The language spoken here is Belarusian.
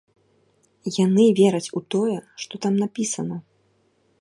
Яны вераць у тое, што там напісана.